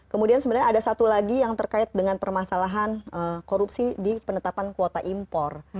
kemudian sebenarnya ada satu lagi yang terkait dengan permasalahan korupsi di penetapan kuota impor